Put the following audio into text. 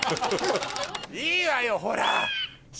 いいわよほら！